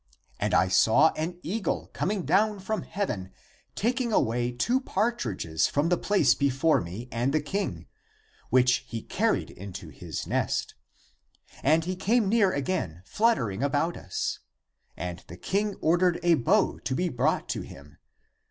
And I saw an eagle coming down from heaven taking away two partridges from the place before me and the king, which he carried into his nest. And he came near again fluttering about us. And the king ordered a bow to be brought to him.